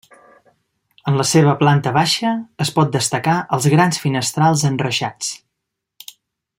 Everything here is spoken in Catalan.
En la seva planta baixa es pot destacar els grans finestrals enreixats.